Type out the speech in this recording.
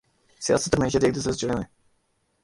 سیاست اور معیشت ایک دوسرے سے جڑے ہوئے ہیں